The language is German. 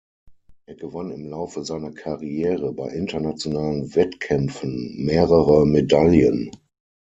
Er gewann im Laufe seiner Karriere bei internationalen Wettkämpfen mehrere Medaillen.